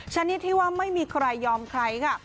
ชนิดที่ว่าไม่มีใครยอมใครค่ะ